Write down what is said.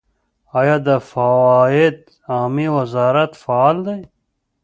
آیا د فواید عامې وزارت فعال دی؟